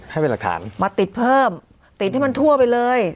ให้เป็นหลักฐานมาติดเพิ่มติดให้มันทั่วไปเลย